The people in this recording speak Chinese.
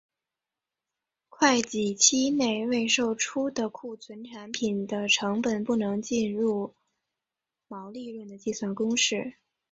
会计期内未售出的库存产品的成本不能计入毛利润的计算公式。